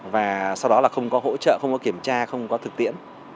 và sau đó là không có hỗ trợ không có kiểm tra không có thực tiễn